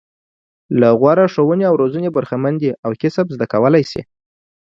له غوره ښوونې او روزنې برخمن دي او کسب زده کولای شي.